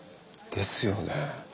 ですよね。